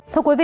thưa quý vị